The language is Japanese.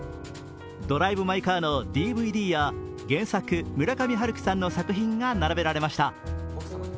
「ドライブ・マイ・カー」のＤＶＤや原作・村上春樹さんの作品が並びました。